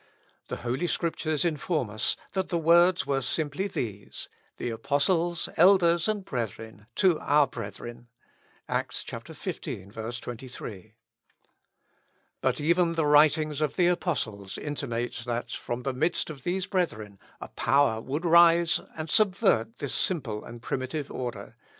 The Holy Scriptures inform us, that the words were simply these, "The apostles, elders, and brethren, to our brethren." (Acts, xv, 23.) But even the writings of the apostles intimate, that from the midst of these brethren a power would rise and subvert this simple and primitive order.